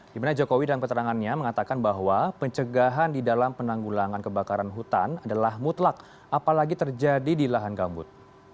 dimana jokowi dalam keterangannya mengatakan bahwa pencegahan di dalam penanggulangan kebakaran hutan adalah mutlak apalagi terjadi di lahan gambut